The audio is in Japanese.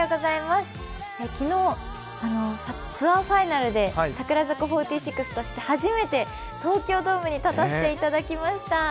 昨日、ツアーファイナルで櫻坂４６として初めて東京ドームに立たせていただきました。